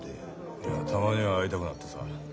いやたまには会いたくなってさ。